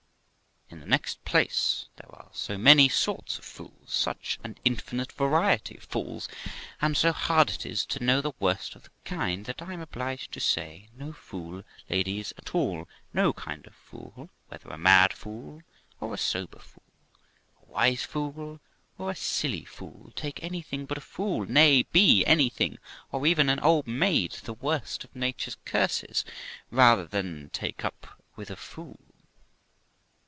In the next place, there are so many sorts of fools, such an infinite variety of fools, and so hard it is to know the worst of the kind, that I am obliged to say, 'No fool, ladies, at all, no kind of fool, whether a mad fool or a sober fool, a wise fool or a silly fool; take anything but a fool; nay, be anything, be even an old maid, the worst of nature's curses, rather than take up with a fool.'